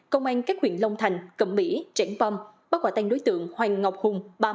công an các huyện long thành cầm mỹ trẻnh pom bác hỏa tang đối tượng hoàng ngọc hùng